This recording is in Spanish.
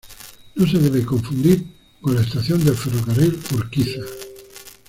No se debe confundirse con la estación del Ferrocarril Urquiza.